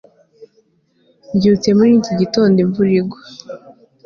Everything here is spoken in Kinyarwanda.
Mbyutse muri iki gitondo imvura yagwaga